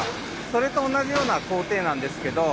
それと同じような工程なんですけど。